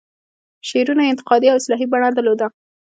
شعرونو یې انتقادي او اصلاحي بڼه درلوده.